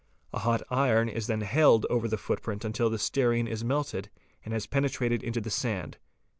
A hot iron is then held over the footprint until the stearine is melted and has penetrated into the sand.